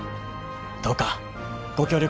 どうかご協力